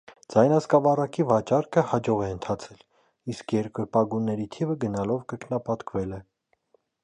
Ձայնասկավառակի վաճառքը հաջող է ընթացել, իսկ երկրպագուների թիվը գնալով կրկնապատկվել է։